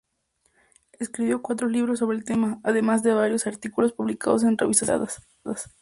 Escribió cuatro libros sobre el tema, además de variados artículos publicados en revistas especializadas.